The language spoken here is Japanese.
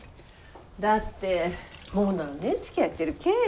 だってもう何年つきあってるけぇ？